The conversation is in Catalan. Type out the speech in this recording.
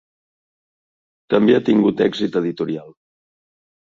També ha tingut èxit editorial.